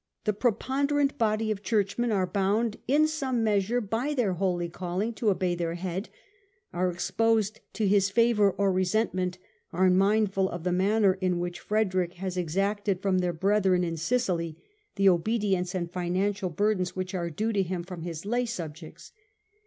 The pre^ ponderant body of Churchmen are bound in some measure by their holy calling to obey their Head, are exposed to his favour or resentment, are mindful of the manner in which Frederick has exacted from their brethren in Sicily the obedience and financial burdens which are due to him from his lay subjects.